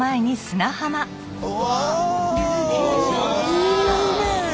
いいね！